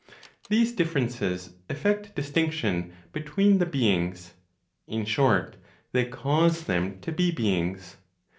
These differences effect distinction between the beings; in short, they cause them to be beings.